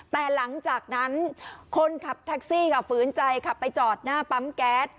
แต่หลังจากนั้นคนขับแท็กซี่ค่ะฝืนใจขับไปจอดหน้าปั๊มแก๊ส